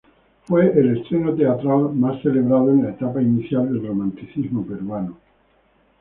Fue el estreno teatral más celebrado en la etapa inicial del romanticismo peruano.